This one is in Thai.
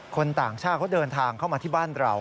ต่างชาติเขาเดินทางเข้ามาที่บ้านเรา